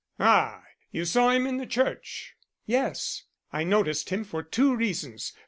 "Ah! you saw him in the church." "Yes. I noticed him for two reasons.